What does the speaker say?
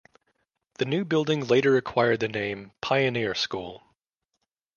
The new building later acquired the name "Pioneer" School.